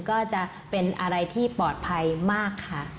ก็จะเป็นอะไรที่ปลอดภัยมากค่ะ